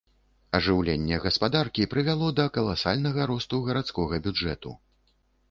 Ажыўленне гаспадаркі прывяло да каласальнага росту гарадскога бюджэту.